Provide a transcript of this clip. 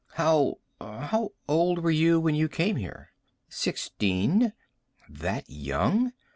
"How how old were you when you came here?" "Sixteen." "That young?"